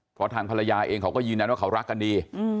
เพราะทางภรรยาเองเขาก็ยืนยันว่าเขารักกันดี